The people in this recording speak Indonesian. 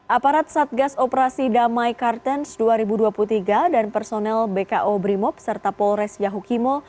aparat satgas operasi damai kartens dua ribu dua puluh tiga dan personel bko brimob serta polres yahukimo